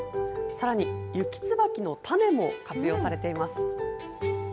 さらに、ユキツバキの種も活用されています。